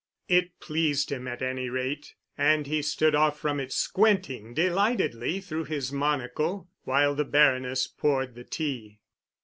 It pleased him, at any rate, and he stood off from it squinting delightedly through his monocle while the Baroness poured the tea.